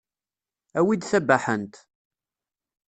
Awi-d tabaḥant.